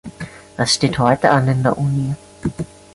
Was steht heute an in der Uni?